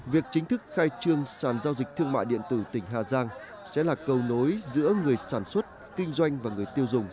việc chính thức khai trương sản giao dịch thương mại điện tử tỉnh hà giang sẽ là cầu nối giữa người sản xuất